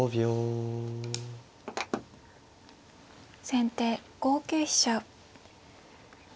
先手５九飛車。